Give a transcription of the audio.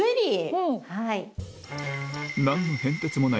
はい。